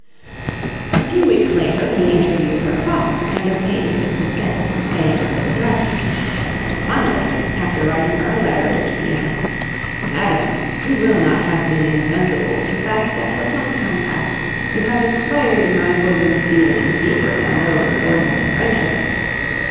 A few weeks later, he interviewed her father and obtained his consent to the paying of his addresses. And finally, after writing her a letter which began "Madam, you will not have been insensible to the fact that for some time past you have inspired in my bosom feelings deeper than those of ordinary friendship...."